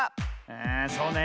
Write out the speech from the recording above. あそうね。